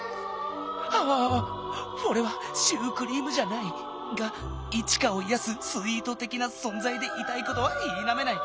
アワワワフォレはシュークリームじゃない！がイチカをいやすスイートてきなそんざいでいたいことはいなめない！